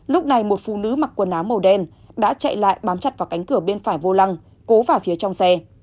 lúc này một phụ nữ mặc quần áo màu đen đã chạy lại bám chặt vào cánh cửa bên phải vô lăng cố vào phía trong xe